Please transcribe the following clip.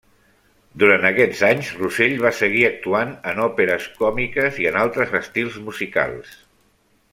Durant aquests anys, Russell va seguir actuant en òperes còmiques i en altres estils musicals.